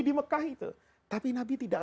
di mekah itu tapi nabi tidak